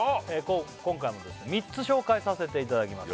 今回も３つ紹介させていただきます